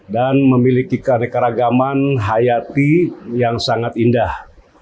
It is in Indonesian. dan memiliki keanekaragaman hayati yang sangat indah